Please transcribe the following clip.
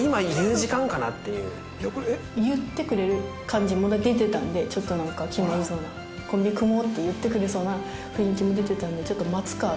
言ってくれる感じも出てたんでちょっとなんか気まずそうなコンビ組もうって言ってくれそうな雰囲気も出てたんで。